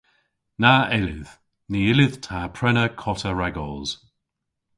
Na yllydh. Ny yllydh ta prena kota ragos.